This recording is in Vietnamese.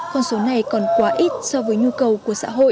con số này còn quá ít so với nhu cầu của xã hội